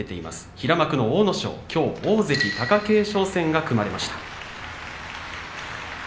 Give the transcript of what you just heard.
平幕の阿武咲、きょう大関貴景勝戦が組まれました。